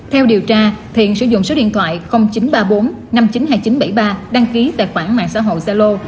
theo điều tra thiện sử dụng số điện thoại chín trăm ba mươi bốn năm nghìn chín mươi hai nghìn chín trăm bảy mươi ba đăng ký tài khoản mạng xã hội zalo